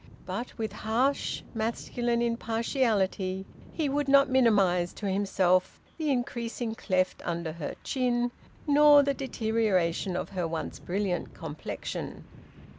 But with harsh masculine impartiality he would not minimise to himself the increasing cleft under her chin, nor the deterioration of her once brilliant complexion.